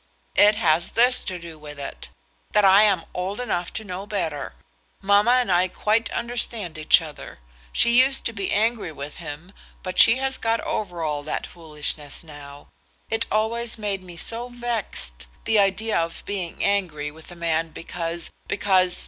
"It has this to do with it; that I am old enough to know better. Mamma and I quite understand each other. She used to be angry with him, but she has got over all that foolishness now. It always made me so vexed; the idea of being angry with a man because, because